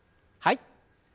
はい。